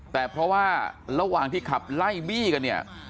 แต่เพราะว่าระหว่างที่ขับไล่บี้กันเนี่ย